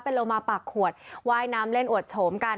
โลมาปากขวดว่ายน้ำเล่นอวดโฉมกัน